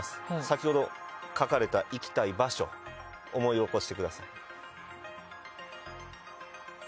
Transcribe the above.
先ほど描かれた行きたい場所思い起こしてください。